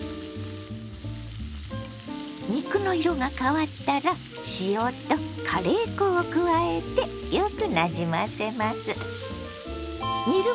肉の色が変わったら塩とカレー粉を加えてよくなじませます。